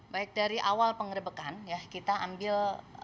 baik dari awal pengerebekan kita ambil